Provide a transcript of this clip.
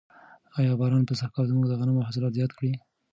آیا باران به سږکال زموږ د غنمو حاصلات زیات کړي؟